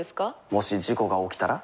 もし事故が起きたら？